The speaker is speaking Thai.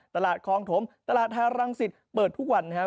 ตลาดคลองถมตลาดฮารังสิตเปิดทุกวันนะครับ